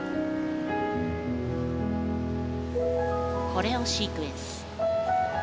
コレオシークエンス。